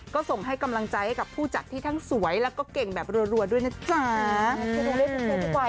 ก็ส่งให้กำลังใจให้กับผู้จัดที่ทั้งสวยแล้วก็เก่งแบบรัวด้วยนะจ๊ะทุกวัน